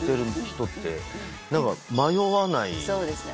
そうですね。